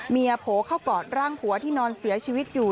โผล่เข้ากอดร่างผัวที่นอนเสียชีวิตอยู่